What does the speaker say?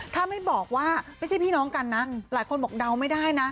ถ้าไม่บอกว่าไม่ใช่พี่น้องกันนะหลายคนบอกเดาไม่ได้นะ